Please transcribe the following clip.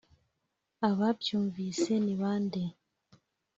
ababyumvise ni bande